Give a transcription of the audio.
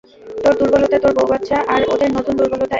তোর দুর্বলতা তোর বউ বাচ্চা, আর ওদের নতুন দুর্বলতা এ।